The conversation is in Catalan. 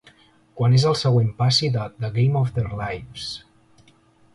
Quan és el següent passi de The Game of Their Lives